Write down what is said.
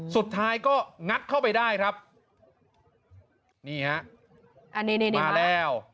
สุดท้ายก็งัดเข้าไปได้ครับนี่ฮะอันนี้นี่มาแล้ว